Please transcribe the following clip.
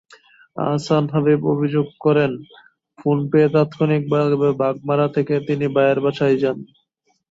আহসান হাবিব অভিযোগ করেন, ফোন পেয়ে তাৎক্ষণিকভাবে বাগমারা থেকে তিনি ভাইয়ের বাসায় যান।